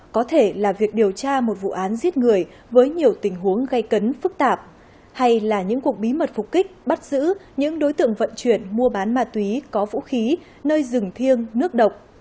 có thể là việc điều tra một vụ án giết người với nhiều tình huống gây cấn phức tạp hay là những cuộc bí mật phục kích bắt giữ những đối tượng vận chuyển mua bán ma túy có vũ khí nơi rừng thiêng nước độc